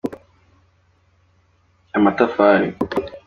amatafari.